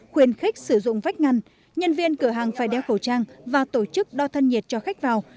khuyên khách sử dụng vách ngăn nhân viên cửa hàng phải đeo khẩu trang và tổ chức đo thân nhiệt cho khách vào